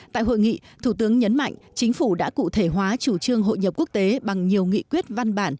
tại hội nghị thủ tướng nhấn mạnh chính phủ đã cụ thể hóa chủ trương hội nhập quốc tế bằng nhiều nghị quyết văn bản